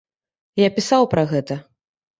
Я пісаў пра гэта.